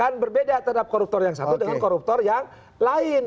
kan berbeda terhadap koruptor yang satu dengan koruptor yang lain